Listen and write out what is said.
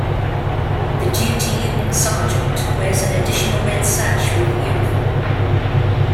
The Duty Unit Sergeant wears an additional red sash with the uniform.